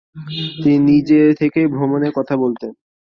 তিনি নিজে থেকেই ভ্রমণের কথা বলতেন।